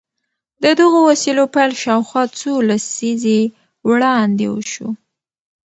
د دغو وسيلو پيل شاوخوا څو لسيزې وړاندې وشو.